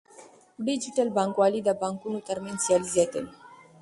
ډیجیټل بانکوالي د بانکونو ترمنځ سیالي زیاتوي.